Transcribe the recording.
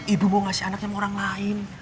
ibu mau ngasih anak sama orang lain